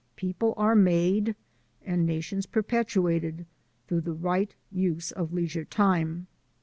People are made and nations perpetuated through the right use of leisure time.